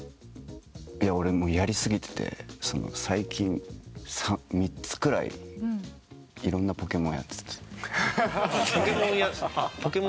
俺やり過ぎてて最近３つくらいいろんなポケモンやってた。